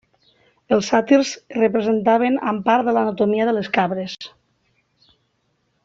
Els sàtirs es representaven amb part de l'anatomia de les cabres.